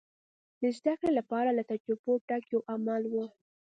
د زدهکړې لپاره له تجربو ډک یو عمل و.